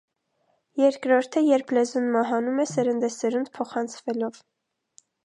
Երկրորդը, երբ լեզուն մահանում է սերնդեսերունդ փոխանցվելով։